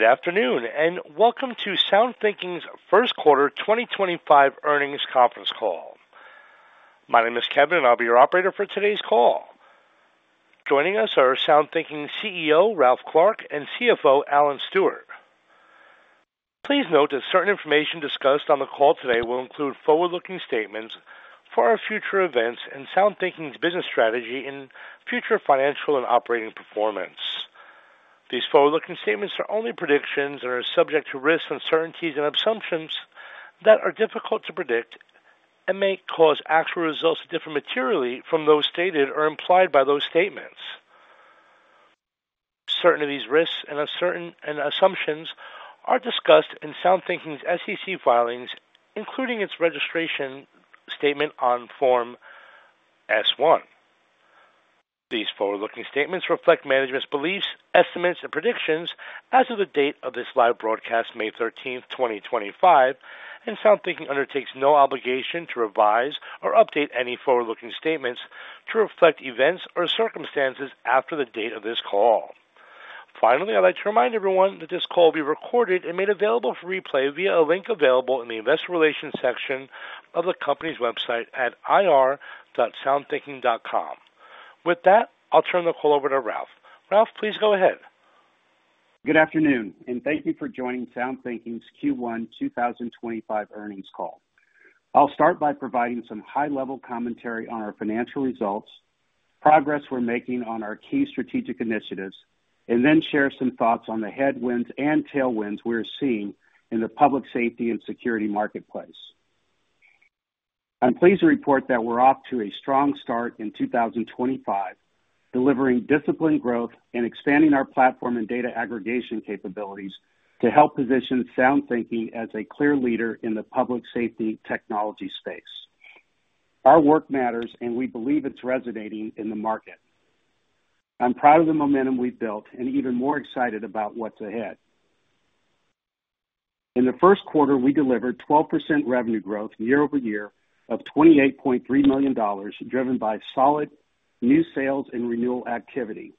Good afternoon and welcome to SoundThinking's first quarter 2025 earnings conference call. My name is Kevin, and I'll be your operator for today's call. Joining us are SoundThinking's CEO, Ralph Clark, and CFO, Alan Stewart. Please note that certain information discussed on the call today will include forward-looking statements for our future events and SoundThinking's business strategy and future financial and operating performance. These forward-looking statements are only predictions and are subject to risks, uncertainties, and assumptions that are difficult to predict and may cause actual results to differ materially from those stated or implied by those statements. Certain of these risks and assumptions are discussed in SoundThinking's SEC filings, including its registration statement on Form S-1. These forward-looking statements reflect management's beliefs, estimates, and predictions as of the date of this live broadcast, May 13th, 2025, and SoundThinking undertakes no obligation to revise or update any forward-looking statements to reflect events or circumstances after the date of this call. Finally, I'd like to remind everyone that this call will be recorded and made available for replay via a link available in the investor relations section of the company's website at ir.soundthinking.com. With that, I'll turn the call over to Ralph. Ralph, please go ahead. Good afternoon, and thank you for joining SoundThinking's Q1 2025 earnings call. I'll start by providing some high-level commentary on our financial results, progress we're making on our key strategic initiatives, and then share some thoughts on the headwinds and tailwinds we're seeing in the public safety and security marketplace. I'm pleased to report that we're off to a strong start in 2025, delivering disciplined growth and expanding our platform and data aggregation capabilities to help position SoundThinking as a clear leader in the public safety technology space. Our work matters, and we believe it's resonating in the market. I'm proud of the momentum we've built and even more excited about what's ahead. In the first quarter, we delivered 12% revenue growth year over year of $28.3 million, driven by solid new sales and renewal activity.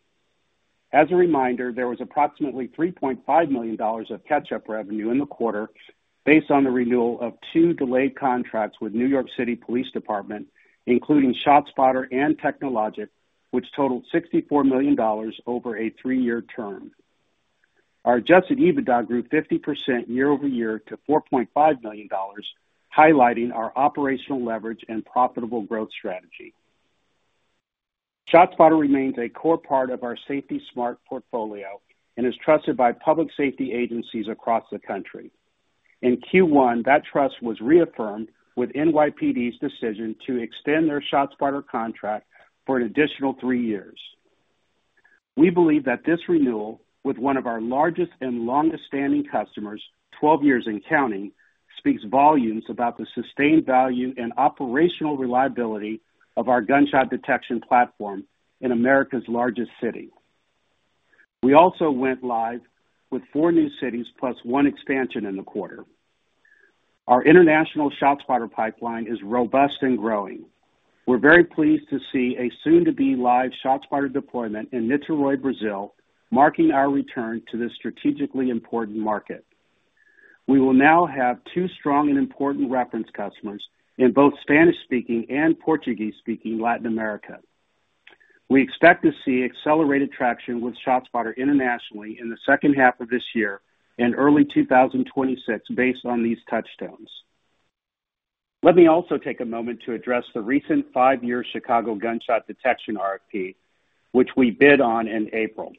As a reminder, there was approximately $3.5 million of catch-up revenue in the quarter based on the renewal of two delayed contracts with New York City Police Department, including ShotSpotter and Technologic, which totaled $64 million over a three-year term. Our adjusted EBITDA grew 50% year over year to $4.5 million, highlighting our operational leverage and profitable growth strategy. ShotSpotter remains a core part of our Safety Smart portfolio and is trusted by public safety agencies across the country. In Q1, that trust was reaffirmed with NYPD's decision to extend their ShotSpotter contract for an additional three years. We believe that this renewal with one of our largest and longest-standing customers, 12 years and counting, speaks volumes about the sustained value and operational reliability of our gunshot detection platform in America's largest city. We also went live with four new cities plus one expansion in the quarter. Our international ShotSpotter pipeline is robust and growing. We're very pleased to see a soon-to-be live ShotSpotter deployment in Niterói, Brazil, marking our return to this strategically important market. We will now have two strong and important reference customers in both Spanish-speaking and Portuguese-speaking Latin America. We expect to see accelerated traction with ShotSpotter internationally in the second half of this year and early 2026 based on these touchstones. Let me also take a moment to address the recent five-year Chicago Gunshot Detection RFP, which we bid on in April.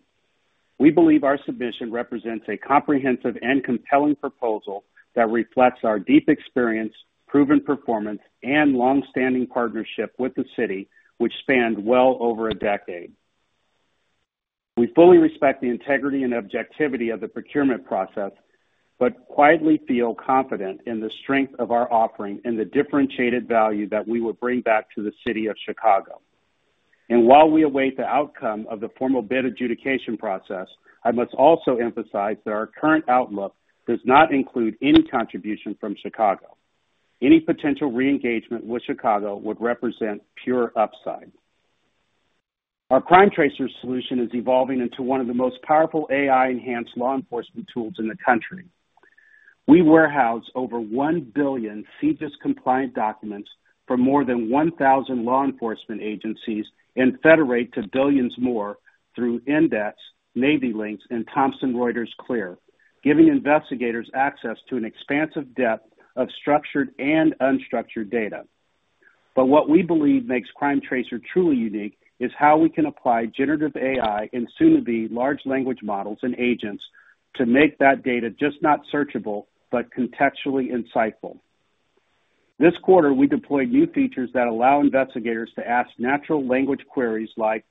We believe our submission represents a comprehensive and compelling proposal that reflects our deep experience, proven performance, and long-standing partnership with the city, which spanned well over a decade. We fully respect the integrity and objectivity of the procurement process, but quietly feel confident in the strength of our offering and the differentiated value that we will bring back to the city of Chicago. While we await the outcome of the formal bid adjudication process, I must also emphasize that our current outlook does not include any contribution from Chicago. Any potential re-engagement with Chicago would represent pure upside. Our CrimeTracer solution is evolving into one of the most powerful AI-enhanced law enforcement tools in the country. We warehouse over 1 billion CJIS compliant documents for more than 1,000 law enforcement agencies and federate to billions more through Index, Navy Links, and Thomson Reuters Clear, giving investigators access to an expansive depth of structured and unstructured data. What we believe makes CrimeTracer truly unique is how we can apply generative AI and soon-to-be large language models and agents to make that data just not searchable, but contextually insightful. This quarter, we deployed new features that allow investigators to ask natural language queries like,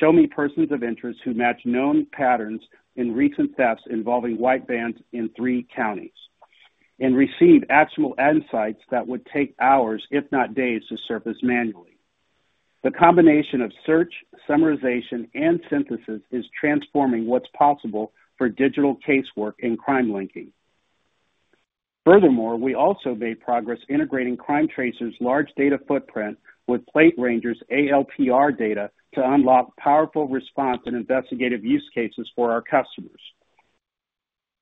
"Show me persons of interest who match known patterns in recent thefts involving white bands in three counties," and receive actual insights that would take hours, if not days, to surface manually. The combination of search, summarization, and synthesis is transforming what is possible for digital casework in crime linking. Furthermore, we also made progress integrating CrimeTracer's large data footprint with Plate Ranger's ALPR data to unlock powerful response and investigative use cases for our customers.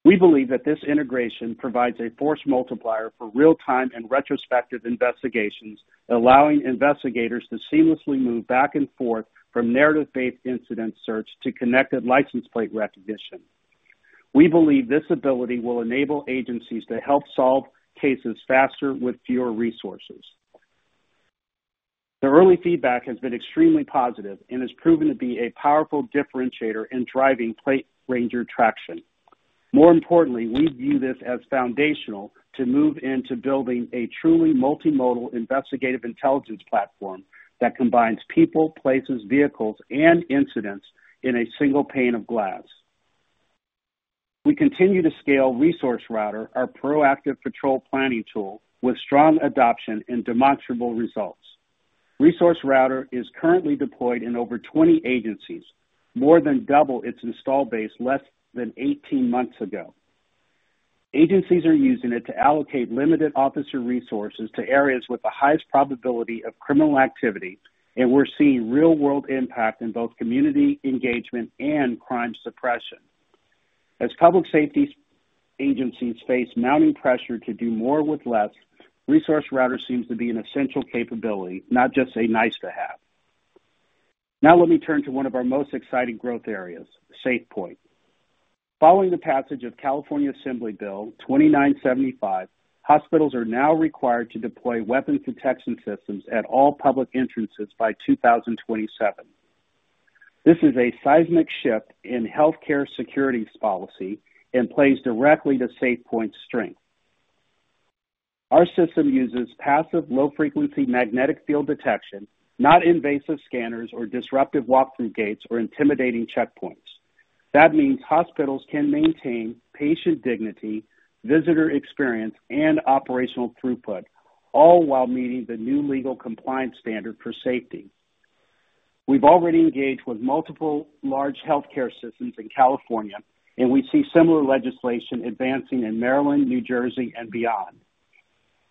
We believe that this integration provides a force multiplier for real-time and retrospective investigations, allowing investigators to seamlessly move back and forth from narrative-based incident search to connected license plate recognition. We believe this ability will enable agencies to help solve cases faster with fewer resources. The early feedback has been extremely positive and has proven to be a powerful differentiator in driving PlateRanger traction. More importantly, we view this as foundational to move into building a truly multimodal investigative intelligence platform that combines people, places, vehicles, and incidents in a single pane of glass. We continue to scale ResourceRouter, our proactive patrol planning tool, with strong adoption and demonstrable results. ResourceRouter is currently deployed in over 20 agencies, more than double its install base less than 18 months ago. Agencies are using it to allocate limited officer resources to areas with the highest probability of criminal activity, and we're seeing real-world impact in both community engagement and crime suppression. As public safety agencies face mounting pressure to do more with less, ResourceRouter seems to be an essential capability, not just a nice-to-have. Now let me turn to one of our most exciting growth areas, SafePoint. Following the passage of California Assembly Bill 2975, hospitals are now required to deploy weapons detection systems at all public entrances by 2027. This is a seismic shift in healthcare security policy and plays directly to SafePoint's strength. Our system uses passive low-frequency magnetic field detection, not invasive scanners or disruptive walk-through gates or intimidating checkpoints. That means hospitals can maintain patient dignity, visitor experience, and operational throughput, all while meeting the new legal compliance standard for safety. We've already engaged with multiple large healthcare systems in California, and we see similar legislation advancing in Maryland, New Jersey, and beyond.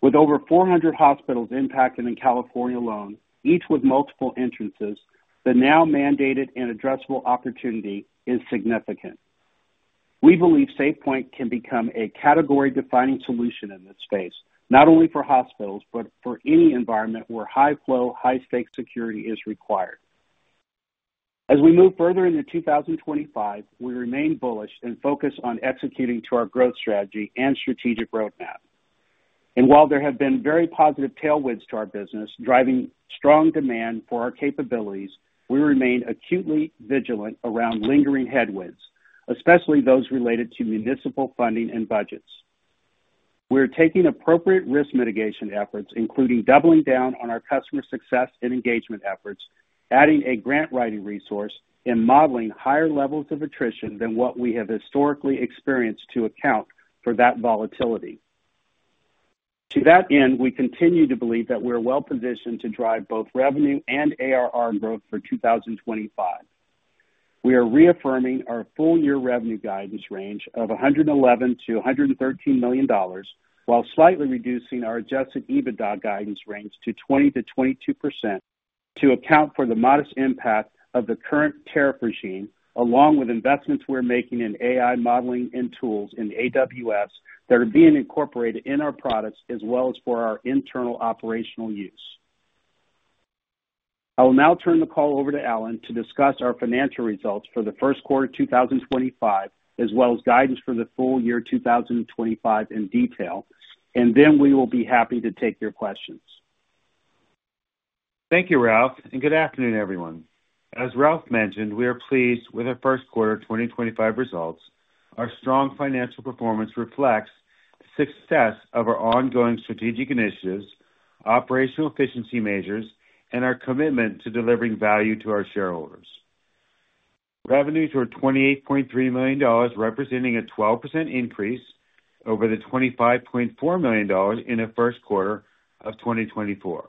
With over 400 hospitals impacted in California alone, each with multiple entrances, the now mandated and addressable opportunity is significant. We believe SafePoint can become a category-defining solution in this space, not only for hospitals, but for any environment where high-flow, high-stakes security is required. As we move further into 2025, we remain bullish and focus on executing to our growth strategy and strategic roadmap. While there have been very positive tailwinds to our business driving strong demand for our capabilities, we remain acutely vigilant around lingering headwinds, especially those related to municipal funding and budgets. We're taking appropriate risk mitigation efforts, including doubling down on our customer success and engagement efforts, adding a grant writing resource, and modeling higher levels of attrition than what we have historically experienced to account for that volatility. To that end, we continue to believe that we're well-positioned to drive both revenue and ARR growth for 2025. We are reaffirming our full-year revenue guidance range of $111 million-$113 million, while slightly reducing our adjusted EBITDA guidance range to 20%-22% to account for the modest impact of the current tariff regime, along with investments we're making in AI modeling and tools in AWS that are being incorporated in our products as well as for our internal operational use. I will now turn the call over to Alan to discuss our financial results for the first quarter 2025, as well as guidance for the full year 2025 in detail, and then we will be happy to take your questions. Thank you, Ralph, and good afternoon, everyone. As Ralph mentioned, we are pleased with our first quarter 2025 results. Our strong financial performance reflects the success of our ongoing strategic initiatives, operational efficiency measures, and our commitment to delivering value to our shareholders. Revenues were $28.3 million, representing a 12% increase over the $25.4 million in the first quarter of 2024.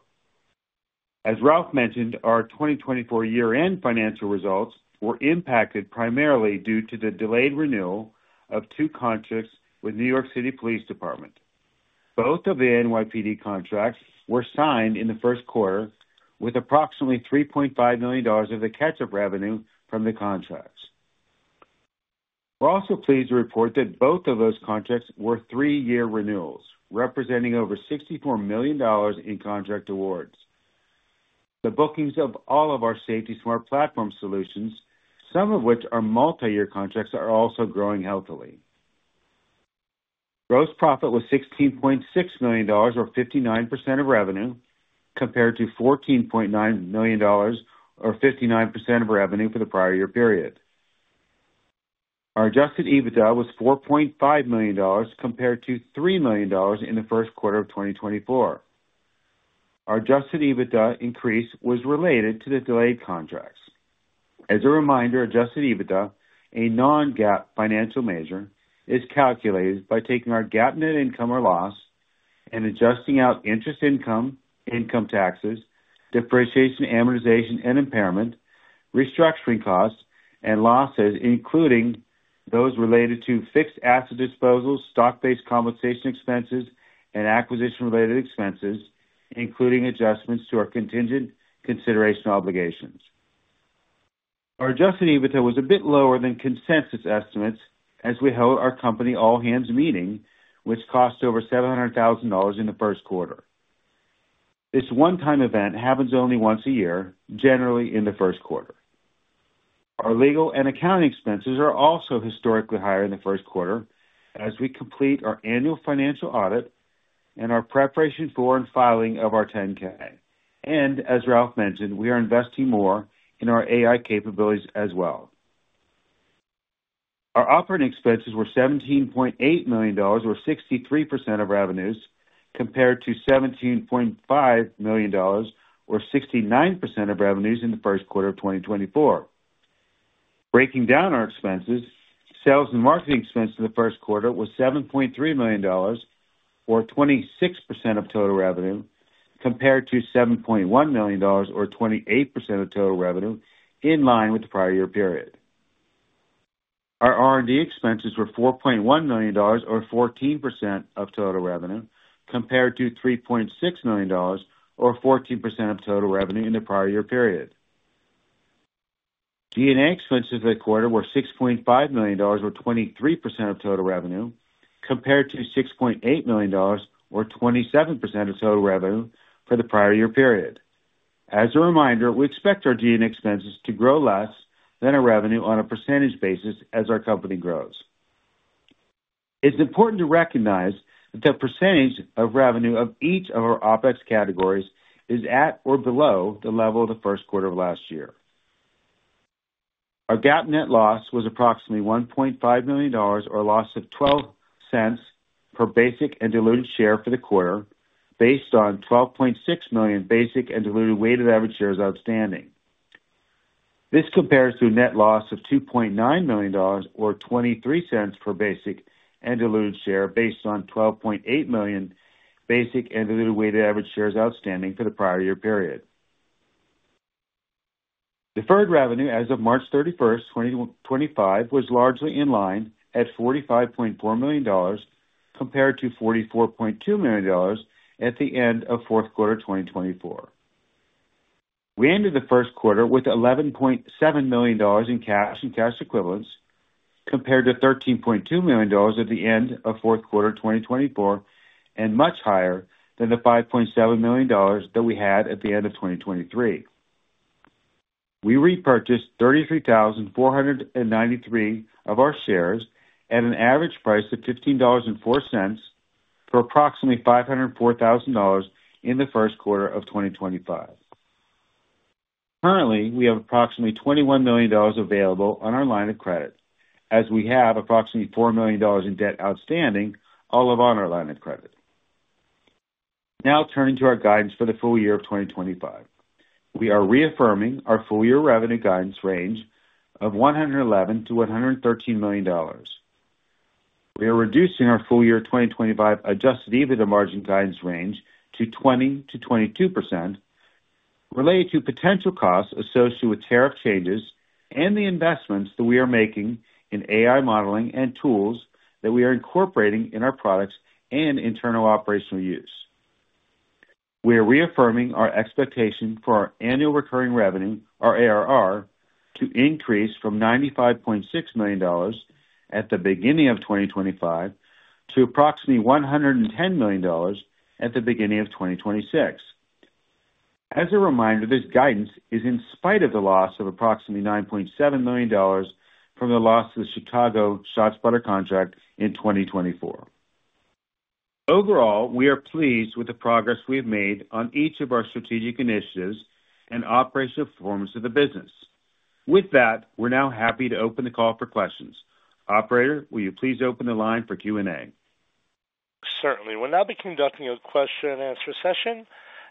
As Ralph mentioned, our 2024 year-end financial results were impacted primarily due to the delayed renewal of two contracts with New York City Police Department. Both of the NYPD contracts were signed in the first quarter, with approximately $3.5 million of the catch-up revenue from the contracts. We're also pleased to report that both of those contracts were three-year renewals, representing over $64 million in contract awards. The bookings of all of our SafetySmart platform solutions, some of which are multi-year contracts, are also growing healthily. Gross profit was $16.6 million, or 59% of revenue, compared to $14.9 million, or 59% of revenue for the prior year period. Our adjusted EBITDA was $4.5 million, compared to $3 million in the first quarter of 2024. Our adjusted EBITDA increase was related to the delayed contracts. As a reminder, adjusted EBITDA, a non-GAAP financial measure, is calculated by taking our GAAP net income or loss and adjusting out interest income, income taxes, depreciation, amortization, and impairment, restructuring costs, and losses, including those related to fixed asset disposals, stock-based compensation expenses, and acquisition-related expenses, including adjustments to our contingent consideration obligations. Our adjusted EBITDA was a bit lower than consensus estimates as we held our company all-hands meeting, which cost over $700,000 in the first quarter. This one-time event happens only once a year, generally in the first quarter. Our legal and accounting expenses are also historically higher in the first quarter as we complete our annual financial audit and our preparation for and filing of our 10-K. As Ralph mentioned, we are investing more in our AI capabilities as well. Our operating expenses were $17.8 million, or 63% of revenues, compared to $17.5 million, or 69% of revenues in the first quarter of 2024. Breaking down our expenses, sales and marketing expenses in the first quarter were $7.3 million, or 26% of total revenue, compared to $7.1 million, or 28% of total revenue, in line with the prior year period. Our R&D expenses were $4.1 million, or 14% of total revenue, compared to $3.6 million, or 14% of total revenue in the prior year period. DNA expenses for the quarter were $6.5 million, or 23% of total revenue, compared to $6.8 million, or 27% of total revenue for the prior year period. As a reminder, we expect our G&A expenses to grow less than our revenue on a percentage basis as our company grows. It's important to recognize that the percentage of revenue of each of our OPEX categories is at or below the level of the first quarter of last year. Our GAAP net loss was approximately $1.5 million, or a loss of $0.12 per basic and diluted share for the quarter, based on 12.6 million basic and diluted weighted average shares outstanding. This compares to a net loss of $2.9 million, or $0.23 per basic and diluted share, based on 12.8 million basic and diluted weighted average shares outstanding for the prior year period. Deferred revenue as of March 31, 2025, was largely in line at $45.4 million, compared to $44.2 million at the end of fourth quarter 2024. We ended the first quarter with $11.7 million in cash and cash equivalents, compared to $13.2 million at the end of fourth quarter 2024, and much higher than the $5.7 million that we had at the end of 2023. We repurchased 33,493 of our shares at an average price of $15.04 for approximately $504,000 in the first quarter of 2025. Currently, we have approximately $21 million available on our line of credit, as we have approximately $4 million in debt outstanding, all of on our line of credit. Now turning to our guidance for the full year of 2025, we are reaffirming our full-year revenue guidance range of $111-$113 million. We are reducing our full-year 2025 adjusted EBITDA margin guidance range to 20-22%, related to potential costs associated with tariff changes and the investments that we are making in AI modeling and tools that we are incorporating in our products and internal operational use. We are reaffirming our expectation for our annual recurring revenue, our ARR, to increase from $95.6 million at the beginning of 2025 to approximately $110 million at the beginning of 2026. As a reminder, this guidance is in spite of the loss of approximately $9.7 million from the loss of the Chicago ShotSpotter contract in 2024. Overall, we are pleased with the progress we have made on each of our strategic initiatives and operational performance of the business. With that, we're now happy to open the call for questions. Operator, will you please open the line for Q&A? Certainly. We'll now be conducting a question-and-answer session.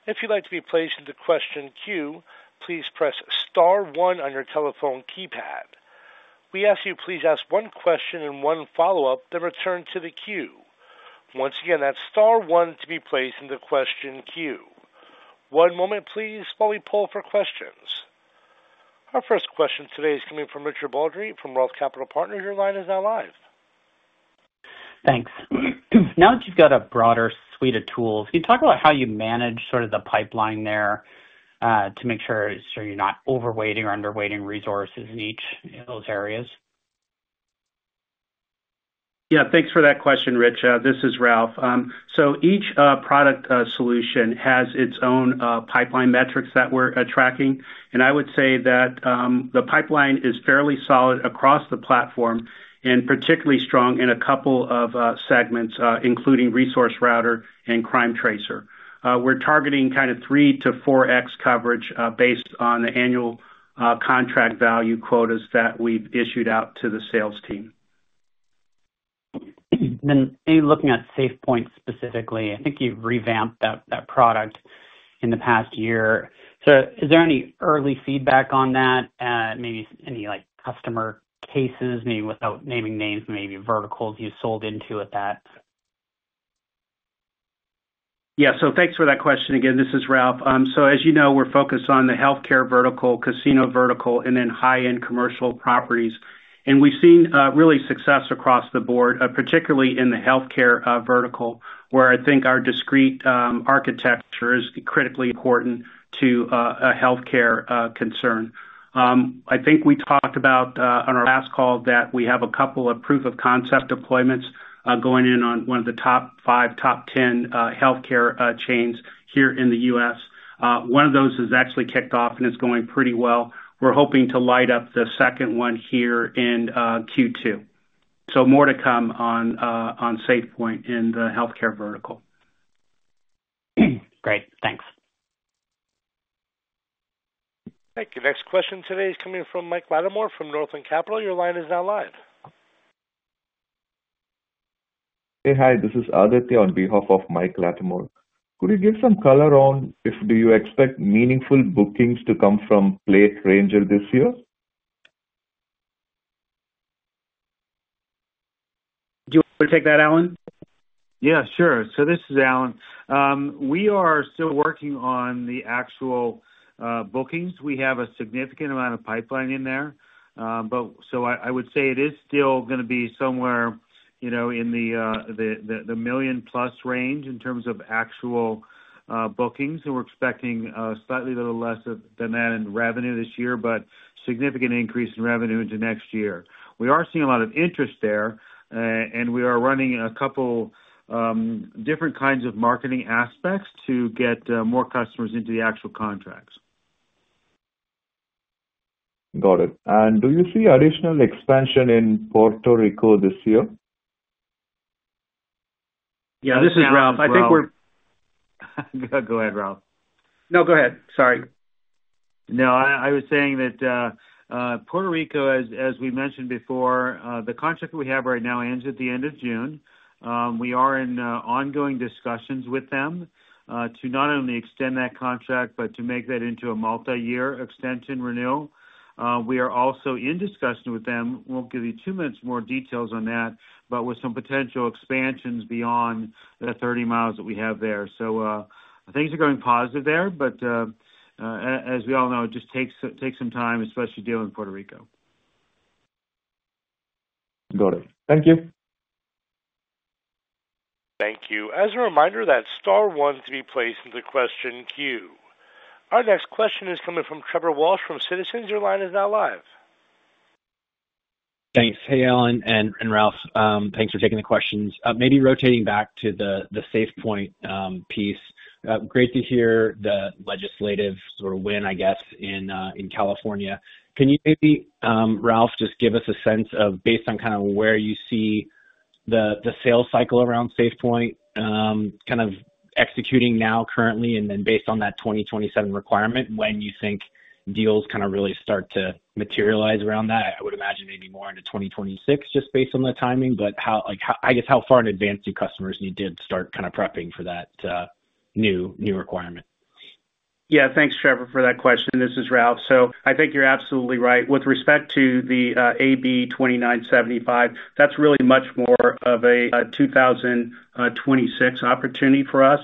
If you'd like to be placed into question queue, please press star one on your telephone keypad. We ask you to please ask one question and one follow-up then return to the queue. Once again, that's star one to be placed into question queue. One moment, please, while we pull for questions. Our first question today is coming from Richard Baldrey from Roth Capital Partners. Your line is now live. Thanks. Now that you've got a broader suite of tools, can you talk about how you manage sort of the pipeline there to make sure you're not overweighting or underweighting resources in each of those areas? Yeah, thanks for that question, Rich. This is Ralph. Each product solution has its own pipeline metrics that we're tracking. I would say that the pipeline is fairly solid across the platform and particularly strong in a couple of segments, including ResourceRouter and CrimeTracer. We're targeting kind of three to four X coverage based on the annual contract value quotas that we've issued out to the sales team. Maybe looking at SafePoint specifically, I think you've revamped that product in the past year. Is there any early feedback on that, maybe any customer cases, maybe without naming names, maybe verticals you sold into with that? Yeah, so thanks for that question again. This is Ralph. As you know, we're focused on the healthcare vertical, casino vertical, and then high-end commercial properties. We've seen really success across the board, particularly in the healthcare vertical, where I think our discrete architecture is critically important to a healthcare concern. I think we talked about on our last call that we have a couple of proof-of-concept deployments going in on one of the top five, top ten healthcare chains here in the U.S. One of those has actually kicked off and is going pretty well. We're hoping to light up the second one here in Q2. More to come on SafePoint in the healthcare vertical. Great. Thanks. Thank you. Next question today is coming from Mike Lattimore from Northland Capital. Your line is now live. Hey, hi. This is Aditya on behalf of Mike Lattimore. Could you give some color on if do you expect meaningful bookings to come from PlateRanger this year? Do you want me to take that, Alan? Yeah, sure. This is Alan. We are still working on the actual bookings. We have a significant amount of pipeline in there. I would say it is still going to be somewhere in the million-plus range in terms of actual bookings. We're expecting slightly little less than that in revenue this year, but significant increase in revenue into next year. We are seeing a lot of interest there, and we are running a couple different kinds of marketing aspects to get more customers into the actual contracts. Got it. Do you see additional expansion in Puerto Rico this year? Yeah, this is Ralph. I think we're— Go ahead, Ralph. No, go ahead. Sorry. No, I was saying that Puerto Rico, as we mentioned before, the contract that we have right now ends at the end of June. We are in ongoing discussions with them to not only extend that contract, but to make that into a multi-year extension renewal. We are also in discussion with them. We'll give you two minutes more details on that, but with some potential expansions beyond the 30 mi that we have there. Things are going positive there, but as we all know, it just takes some time, especially dealing with Puerto Rico. Got it. Thank you. Thank you. As a reminder, that's star one to be placed into question queue. Our next question is coming from Trevor Walsh from Citizens. Your line is now live. Thanks. Hey, Alan and Ralph. Thanks for taking the questions. Maybe rotating back to the SafePoint piece. Great to hear the legislative sort of win, I guess, in California. Can you maybe, Ralph, just give us a sense of, based on kind of where you see the sales cycle around SafePoint kind of executing now currently, and then based on that 2027 requirement, when you think deals kind of really start to materialize around that? I would imagine maybe more into 2026, just based on the timing, but I guess how far in advance do customers need to start kind of prepping for that new requirement? Yeah, thanks, Trevor, for that question. This is Ralph. I think you're absolutely right. With respect to the AB 2975, that's really much more of a 2026 opportunity for us.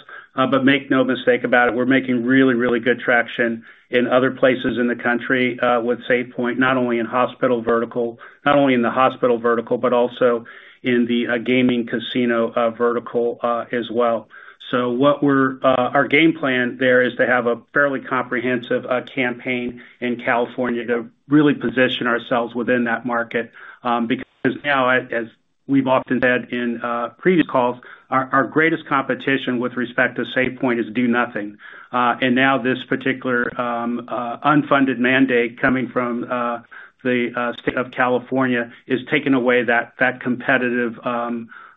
Make no mistake about it, we're making really, really good traction in other places in the country with SafePoint, not only in the hospital vertical, but also in the gaming casino vertical as well. Our game plan there is to have a fairly comprehensive campaign in California to really position ourselves within that market. Because now, as we've often said in previous calls, our greatest competition with respect to SafePoint is do nothing. Now this particular unfunded mandate coming from the state of California is taking away that competitive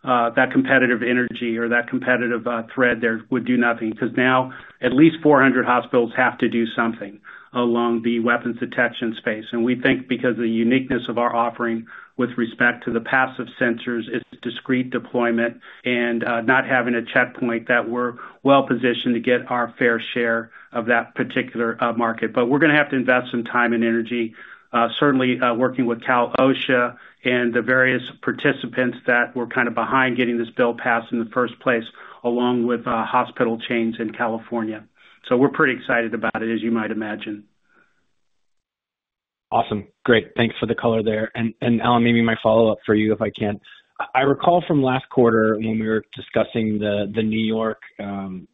energy or that competitive thread there with do nothing. Because now at least 400 hospitals have to do something along the weapons detection space. We think because of the uniqueness of our offering with respect to the passive sensors, its discrete deployment and not having a checkpoint that we are well positioned to get our fair share of that particular market. We are going to have to invest some time and energy, certainly working with Cal/OSHA and the various participants that were kind of behind getting this bill passed in the first place, along with hospital chains in California. We are pretty excited about it, as you might imagine. Awesome. Great. Thanks for the color there. Alan, maybe my follow-up for you, if I can. I recall from last quarter when we were discussing the New York kind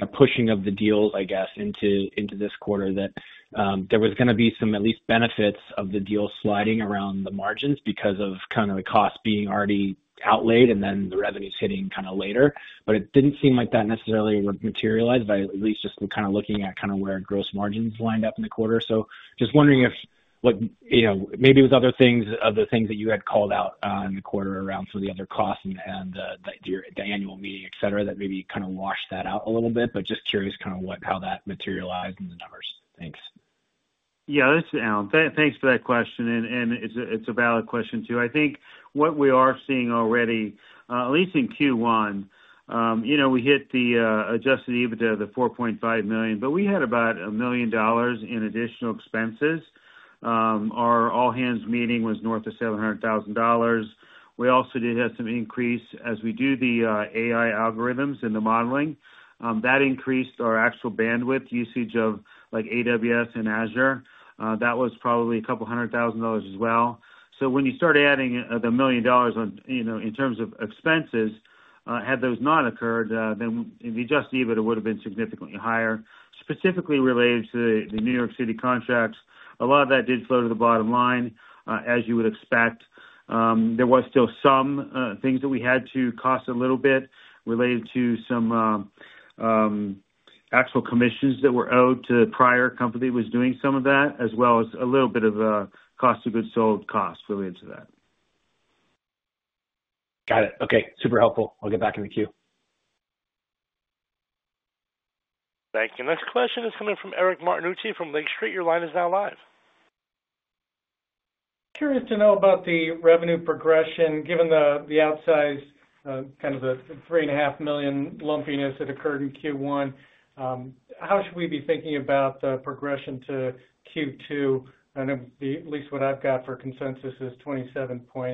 of pushing of the deals, I guess, into this quarter, that there was going to be some at least benefits of the deal sliding around the margins because of kind of the cost being already outlaid and then the revenues hitting kind of later. It did not seem like that necessarily would materialize, but at least just kind of looking at kind of where gross margins lined up in the quarter. I am just wondering if maybe with other things that you had called out in the quarter around some of the other costs and the annual meeting, etc., that maybe kind of washed that out a little bit. I am just curious kind of how that materialized in the numbers. Thanks. Yeah, thanks, Alan. Thanks for that question. It's a valid question too. I think what we are seeing already, at least in Q1, we hit the adjusted EBITDA of $4.5 million, but we had about $1 million in additional expenses. Our all-hands meeting was north of $700,000. We also did have some increase as we do the AI algorithms and the modeling. That increased our actual bandwidth usage of AWS and Azure. That was probably a couple of hundred thousand dollars as well. When you start adding the $1 million in terms of expenses, had those not occurred, then the adjusted EBITDA would have been significantly higher, specifically related to the New York City contracts. A lot of that did flow to the bottom line, as you would expect. There were still some things that we had to cost a little bit related to some actual commissions that were owed to the prior company that was doing some of that, as well as a little bit of cost of goods sold cost related to that. Got it. Okay. Super helpful. I'll get back in the queue. Thank you. Next question is coming from Eric Martinuzzi from Lake Street. Your line is now live. Curious to know about the revenue progression, given the outsized, kind of the $3.5 million lumpiness that occurred in Q1. How should we be thinking about the progression to Q2? I know at least what I've got for consensus is $27.8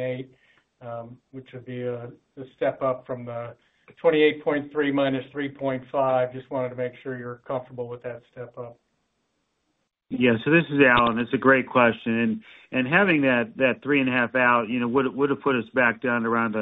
million, which would be a step up from the $28.3 million minus $3.5 million. Just wanted to make sure you're comfortable with that step up. Yeah. This is Alan. It's a great question. Having that three and a half out would have put us back down around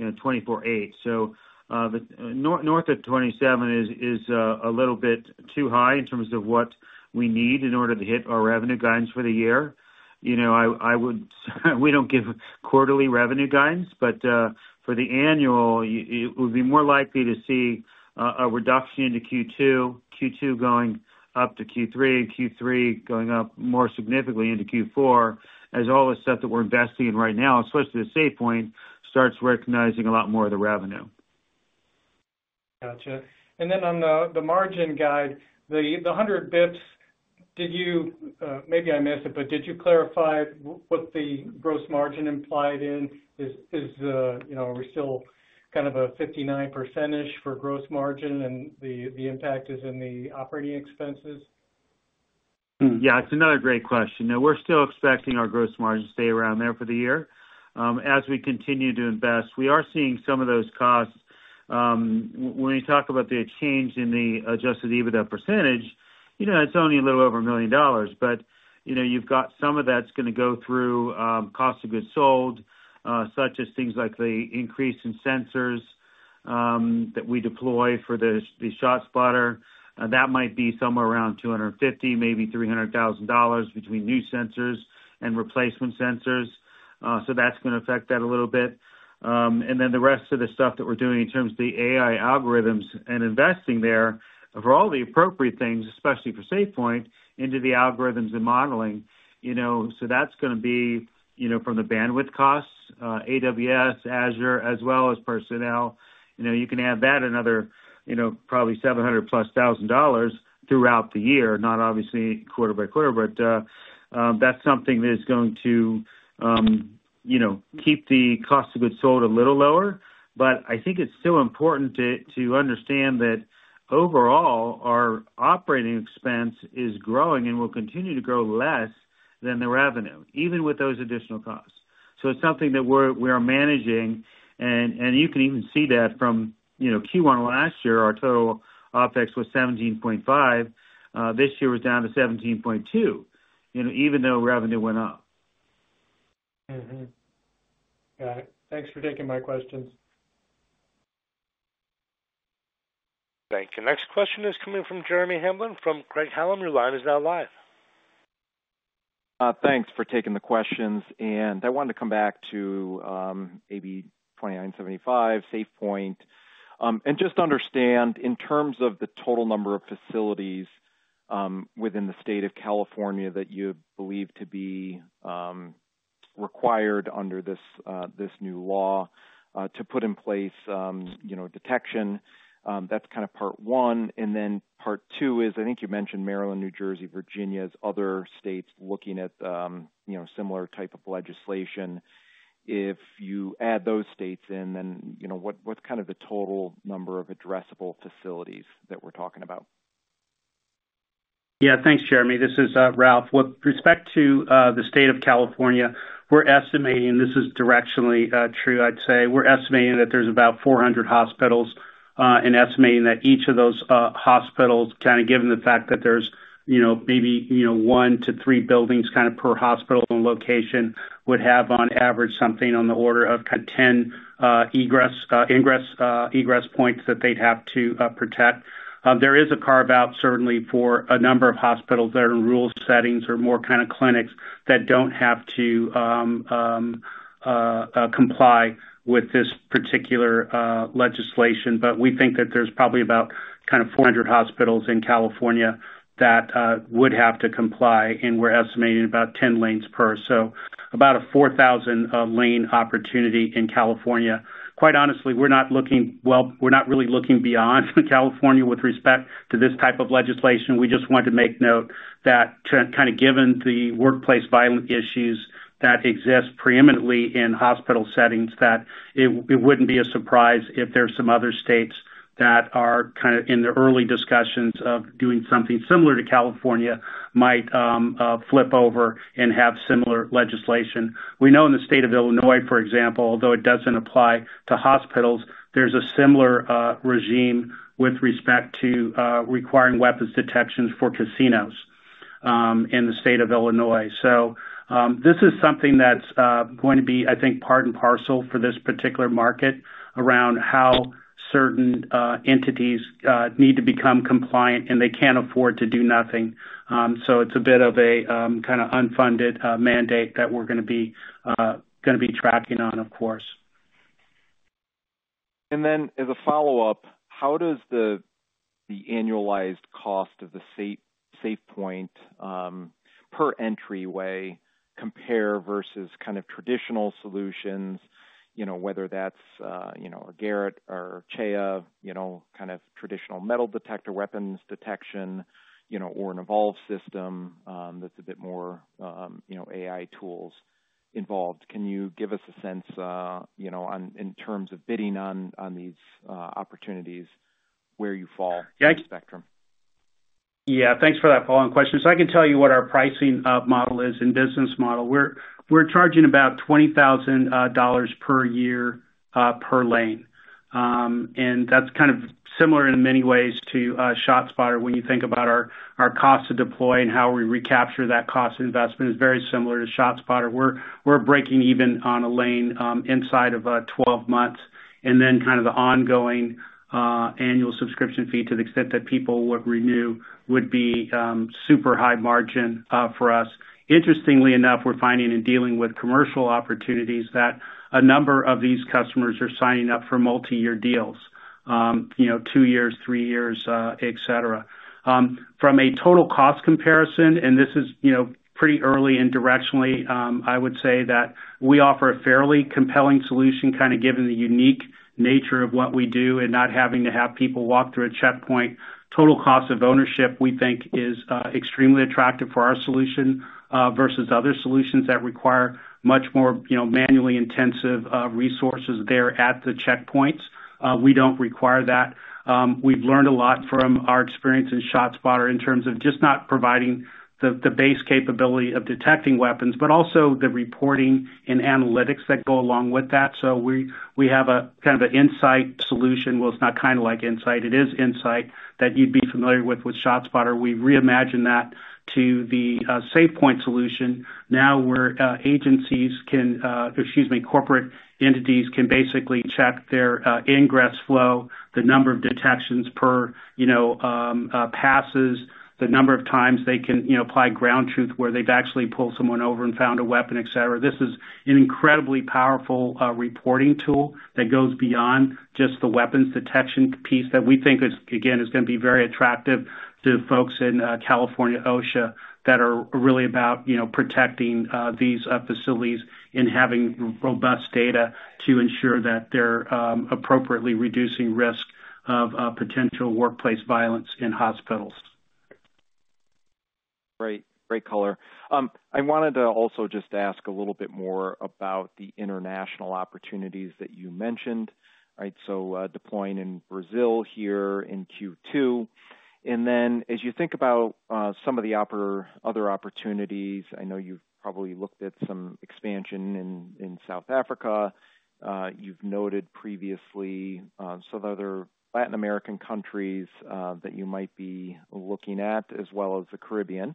$24.8. North of $27 is a little bit too high in terms of what we need in order to hit our revenue guidance for the year. We do not give quarterly revenue guidance, but for the annual, it would be more likely to see a reduction into Q2, Q2 going up to Q3, and Q3 going up more significantly into Q4, as all the stuff that we are investing in right now, especially the SafePoint, starts recognizing a lot more of the revenue. Gotcha. On the margin guide, the 100 basis points, did you—maybe I missed it, but did you clarify what the gross margin implied in? Are we still kind of a 59% ish for gross margin, and the impact is in the operating expenses? Yeah, it's another great question. We're still expecting our gross margin to stay around there for the year as we continue to invest. We are seeing some of those costs. When we talk about the change in the adjusted EBITDA percentage, it's only a little over $1 million. But you've got some of that's going to go through cost of goods sold, such as things like the increase in sensors that we deploy for the ShotSpotter. That might be somewhere around $250,000, maybe $300,000 between new sensors and replacement sensors. That's going to affect that a little bit. The rest of the stuff that we're doing in terms of the AI algorithms and investing there for all the appropriate things, especially for SafePoint, into the algorithms and modeling. That's going to be from the bandwidth costs, AWS, Azure, as well as personnel. You can add that another probably $700,000+ throughout the year, not obviously quarter by quarter, but that's something that is going to keep the cost of goods sold a little lower. I think it's still important to understand that overall our operating expense is growing and will continue to grow less than the revenue, even with those additional costs. It's something that we are managing. You can even see that from Q1 last year, our total OpEx was $17.5 million. This year was down to $17.2 million, even though revenue went up. Got it. Thanks for taking my questions. Thank you. Next question is coming from Jeremy Hamblin from Craig-Hallum. Your line is now live. Thanks for taking the questions. I wanted to come back to AB 2975, SafePoint, and just understand in terms of the total number of facilities within the state of California that you believe to be required under this new law to put in place detection. That's kind of part one. Part two is, I think you mentioned Maryland, New Jersey, Virginia's other states looking at similar type of legislation. If you add those states in, then what's kind of the total number of addressable facilities that we're talking about? Yeah, thanks, Jeremy. This is Ralph. With respect to the state of California, we're estimating—this is directionally true, I'd say—we're estimating that there's about 400 hospitals and estimating that each of those hospitals, kind of given the fact that there's maybe one to three buildings kind of per hospital and location, would have on average something on the order of kind of 10 egress points that they'd have to protect. There is a carve-out certainly for a number of hospitals that are in rural settings or more kind of clinics that don't have to comply with this particular legislation. But we think that there's probably about kind of 400 hospitals in California that would have to comply, and we're estimating about 10 lanes per. So about a 4,000-lane opportunity in California. Quite honestly, we're not really looking beyond California with respect to this type of legislation. We just wanted to make note that kind of given the workplace violent issues that exist preeminently in hospital settings, that it would not be a surprise if there are some other states that are kind of in the early discussions of doing something similar to California might flip over and have similar legislation. We know in the state of Illinois, for example, although it does not apply to hospitals, there is a similar regime with respect to requiring weapons detections for casinos in the state of Illinois. This is something that is going to be, I think, part and parcel for this particular market around how certain entities need to become compliant and they cannot afford to do nothing. It is a bit of a kind of unfunded mandate that we are going to be tracking on, of course. As a follow-up, how does the annualized cost of the SafePoint per entryway compare versus kind of traditional solutions, whether that's a Garrett or a Cheya, kind of traditional metal detector weapons detection or an Evolve system that's a bit more AI tools involved? Can you give us a sense in terms of bidding on these opportunities where you fall in the spectrum? Yeah. Thanks for that following question. I can tell you what our pricing model is and business model. We're charging about $20,000 per year per lane. That's kind of similar in many ways to ShotSpotter when you think about our cost to deploy and how we recapture that cost investment is very similar to ShotSpotter. We're breaking even on a lane inside of 12 months and then the ongoing annual subscription fee to the extent that people would renew would be super high margin for us. Interestingly enough, we're finding and dealing with commercial opportunities that a number of these customers are signing up for multi-year deals, two years, three years, etc. From a total cost comparison, and this is pretty early and directionally, I would say that we offer a fairly compelling solution kind of given the unique nature of what we do and not having to have people walk through a checkpoint. Total cost of ownership, we think, is extremely attractive for our solution versus other solutions that require much more manually intensive resources there at the checkpoints. We do not require that. We have learned a lot from our experience in ShotSpotter in terms of just not providing the base capability of detecting weapons, but also the reporting and analytics that go along with that. We have a kind of an insight solution. It is not kind of like insight. It is insight that you would be familiar with with ShotSpotter. We have reimagined that to the SafePoint solution. Now where agencies can—excuse me—corporate entities can basically check their ingress flow, the number of detections per passes, the number of times they can apply ground truth where they've actually pulled someone over and found a weapon, etc. This is an incredibly powerful reporting tool that goes beyond just the weapons detection piece that we think, again, is going to be very attractive to folks in California, OSHA that are really about protecting these facilities and having robust data to ensure that they're appropriately reducing risk of potential workplace violence in hospitals. Great. Great color. I wanted to also just ask a little bit more about the international opportunities that you mentioned, right? Deploying in Brazil here in Q2. As you think about some of the other opportunities, I know you've probably looked at some expansion in South Africa. You've noted previously some other Latin American countries that you might be looking at, as well as the Caribbean.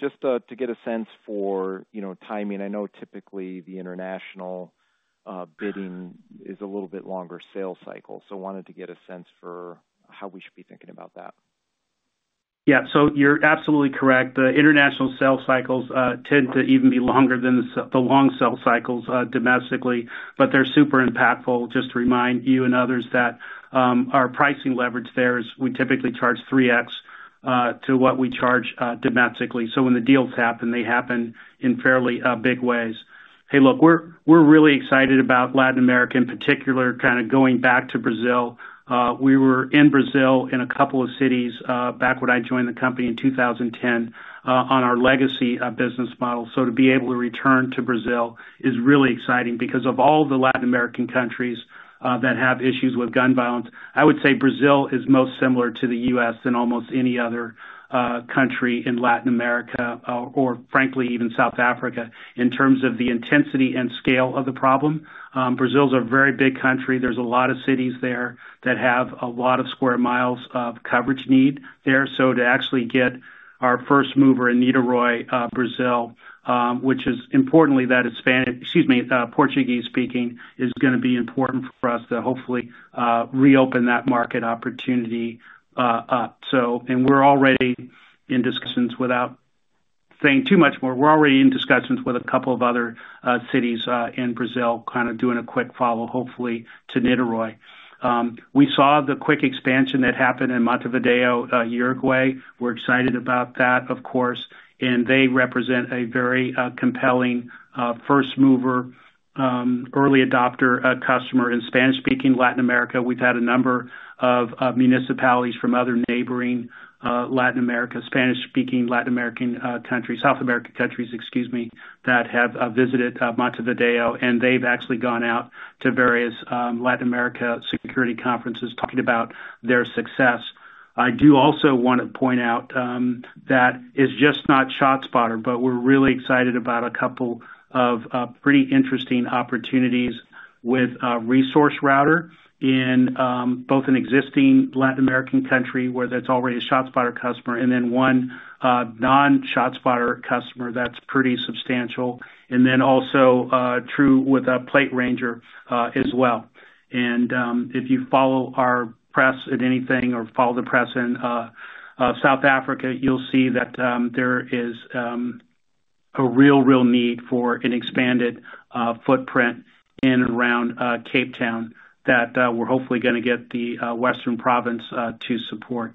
Just to get a sense for timing, I know typically the international bidding is a little bit longer sale cycle. I wanted to get a sense for how we should be thinking about that. Yeah. So you're absolutely correct. The international sale cycles tend to even be longer than the long sale cycles domestically, but they're super impactful. Just to remind you and others that our pricing leverage there is we typically charge 3x to what we charge domestically. When the deals happen, they happen in fairly big ways. Hey, look, we're really excited about Latin America in particular, kind of going back to Brazil. We were in Brazil in a couple of cities back when I joined the company in 2010 on our legacy business model. To be able to return to Brazil is really exciting because of all the Latin American countries that have issues with gun violence. I would say Brazil is most similar to the U.S. than almost any other country in Latin America or, frankly, even South Africa in terms of the intensity and scale of the problem. Brazil is a very big country. There are a lot of cities there that have a lot of sq mi of coverage need there. To actually get our first mover in Niterói, Brazil, which is importantly that Portuguese-speaking, is going to be important for us to hopefully reopen that market opportunity up. We are already in discussions, without saying too much more. We are already in discussions with a couple of other cities in Brazil kind of doing a quick follow, hopefully, to Niterói. We saw the quick expansion that happened in Montevideo, Uruguay. We are excited about that, of course. They represent a very compelling first mover, early adopter customer in Spanish-speaking Latin America. We've had a number of municipalities from other neighboring Latin America, Spanish-speaking Latin American countries, South American countries, excuse me, that have visited Montevideo. And they've actually gone out to various Latin America security conferences talking about their success. I do also want to point out that it's just not ShotSpotter, but we're really excited about a couple of pretty interesting opportunities with ResourceRouter in both an existing Latin American country where that's already a ShotSpotter customer and then one non-ShotSpotter customer that's pretty substantial. And then also true with a PlateRanger as well. If you follow our press at anything or follow the press in South Africa, you'll see that there is a real, real need for an expanded footprint in and around Cape Town that we're hopefully going to get the Western Province to support.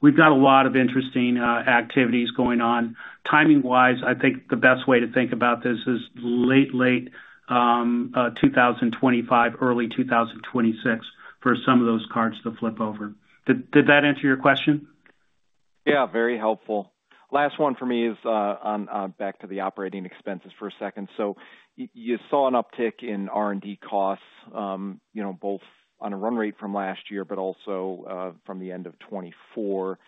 We've got a lot of interesting activities going on. Timing-wise, I think the best way to think about this is late, late 2025, early 2026 for some of those cards to flip over. Did that answer your question? Yeah. Very helpful. Last one for me is back to the operating expenses for a second. You saw an uptick in R&D costs both on a run rate from last year, but also from the end of 2024.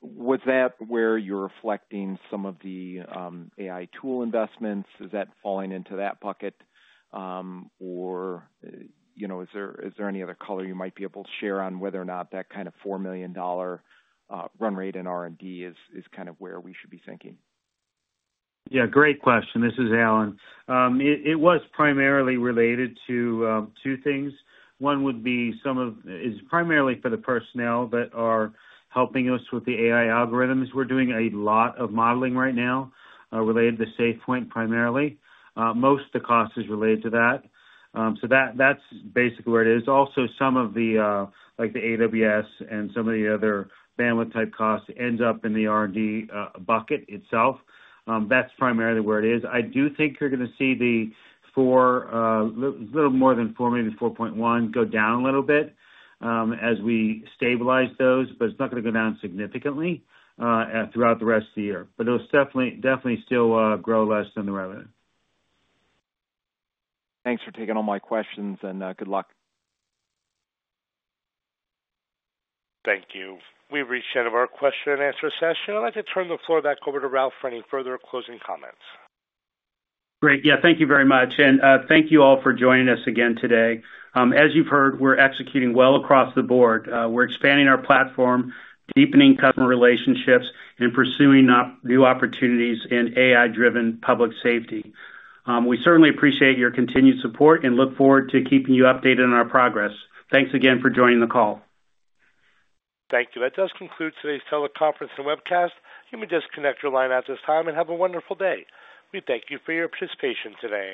Was that where you're reflecting some of the AI tool investments? Is that falling into that bucket? Is there any other color you might be able to share on whether or not that kind of $4 million run rate in R&D is kind of where we should be thinking? Yeah. Great question. This is Alan. It was primarily related to two things. One would be some of it is primarily for the personnel that are helping us with the AI algorithms. We're doing a lot of modeling right now related to SafePoint primarily. Most of the cost is related to that. So that's basically where it is. Also, some of the AWS and some of the other bandwidth-type costs end up in the R&D bucket itself. That's primarily where it is. I do think you're going to see the four, a little more than four, maybe 4.1 go down a little bit as we stabilize those, but it's not going to go down significantly throughout the rest of the year. It'll definitely still grow less than the revenue. Thanks for taking all my questions and good luck. Thank you. We've reached the end of our question and answer session. I'd like to turn the floor back over to Ralph for any further closing comments. Great. Yeah. Thank you very much. Thank you all for joining us again today. As you've heard, we're executing well across the board. We're expanding our platform, deepening customer relationships, and pursuing new opportunities in AI-driven public safety. We certainly appreciate your continued support and look forward to keeping you updated on our progress. Thanks again for joining the call. Thank you. That does conclude today's teleconference and webcast. You may disconnect your line at this time and have a wonderful day. We thank you for your participation today.